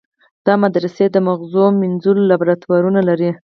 دا مدرسې د مغزو مینځلو لابراتوارونه لري.